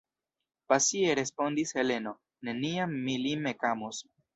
pasie respondis Heleno: neniam mi lin ekamos.